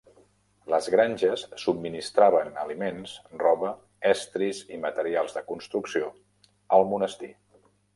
Les granges subministraven aliments, roba, estris i materials de construcció al monestir.